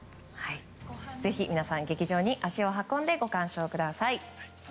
ぜひ皆さん、劇場に足を運んでご鑑賞ください。